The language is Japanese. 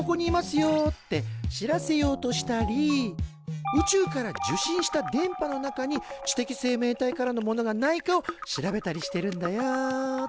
よって知らせようとしたり宇宙から受信した電波の中に知的生命体からのものがないかを調べたりしてるんだよ。